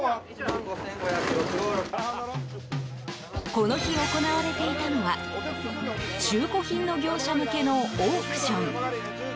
この日、行われていたのは中古品の業者向けのオークション。